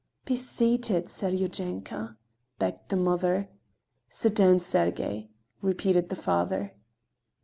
"Be seated, Seryozhenka," begged the mother. "Sit down, Sergey," repeated the father.